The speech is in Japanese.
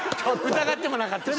疑ってもなかったし。